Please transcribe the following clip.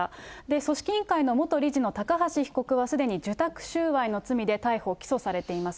組織委員会の元理事の高橋被告は、すでに受託収賄の罪で逮捕・起訴されています。